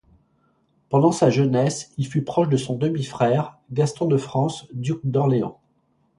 Pendant sa jeunesse, il fut proche de son demi-frère, Gaston de France, duc d'Orléans.